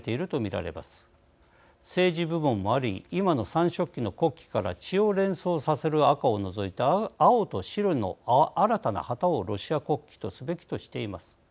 政治部門もあり今の三色旗の国旗から血を連想させる赤を除いた青と白の新たな旗をロシア国旗とすべきとしています。